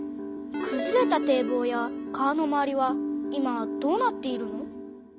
くずれた堤防や川の周りは今どうなっているの？